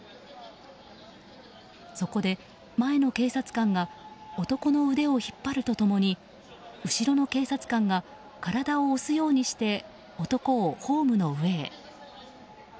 そこで前の警察官が男の腕を引っ張ると共に後ろの警察官が体を押すようにして男をホームの上へ。